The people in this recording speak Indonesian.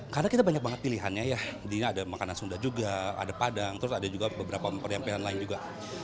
karena kita banyak banget pilihannya ya di sini ada makanan sunda juga ada padang terus ada juga beberapa penyampaian lain juga